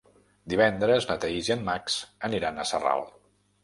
Divendres na Thaís i en Max aniran a Sarral.